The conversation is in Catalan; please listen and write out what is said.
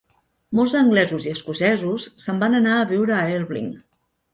Molts anglesos i escocesos se'n van anar a viure a Elbling.